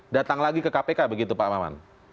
datang lagi ke kpk begitu pak maman